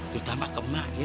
terutama ke emak ya